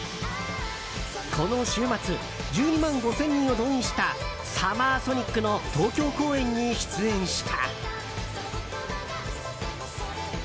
この週末１２万５０００人を動員したサマーソニックの東京公演に出演した。